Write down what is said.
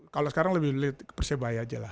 kalau sekarang lebih persia bahaya aja lah